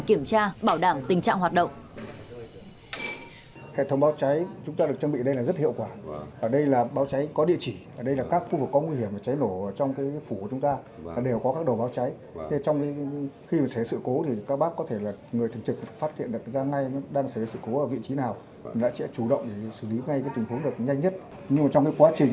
kiểm tra bảo đảm tình trạng hoạt động